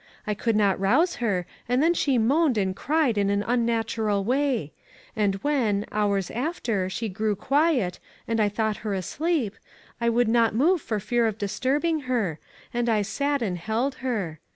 I could not rouse her, and then she moaned and cried in an unnatural way ; and when, hours after, she grew quiet, and I thought . her asleep, I would not move for fear of disturbing her, and I sat and held her.